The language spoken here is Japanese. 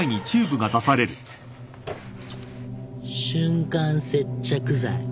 瞬間接着剤。